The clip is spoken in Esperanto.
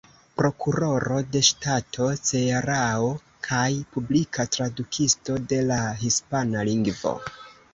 Prokuroro de Ŝtato Cearao kaj publika tradukisto de la hispana lingvo.